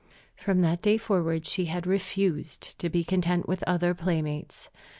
From that day forward she had refused to be content with other playmates.